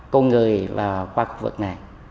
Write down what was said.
của người qua khu vực này